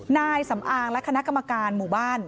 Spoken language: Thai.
นายสำอางและคณะกรรมการหมู่บ้าน